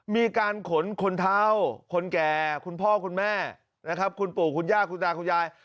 มีการขนคนเท่าคนแก่คุณพ่อคุณแม่นะครับคุณปู่คุณย่าคุณตาคุณยาย